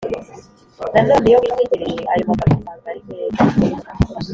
Nanone iyo witegereje ayo magambo usanga ari meza